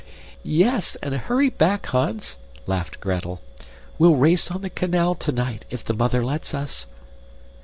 "Yes, and hurry back, Hans!" laughed Gretel. "We'll race on the canal tonight, if the mother lets us."